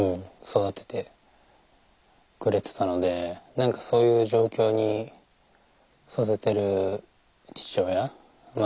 何かそういう状況にさせてる父親まあ